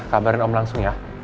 kabarin om langsung ya